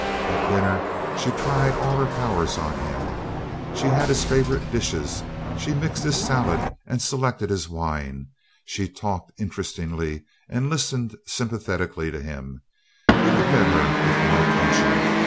At dinner she tried all her powers on him. She had his favorite dishes; she mixed his salad and selected his wine; she talked interestingly, and listened sympathetically, to him. He looked at her with more attention.